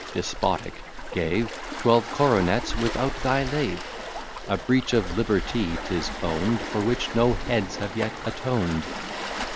(despotic,) gave Twelve coronets without thy leave! A breach of liberty, 'tis own'd, For which no heads have yet atoned!